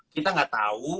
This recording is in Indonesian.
kita gak tau